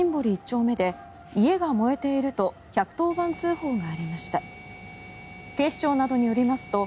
丁目で家が燃えていると１１０番通報がありました。